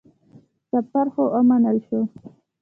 سفر خو ومنل شو.